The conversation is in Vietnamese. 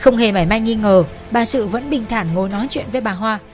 không hề mãi mãi nghi ngờ bà sự vẫn bình thản ngồi nói chuyện với bà hoa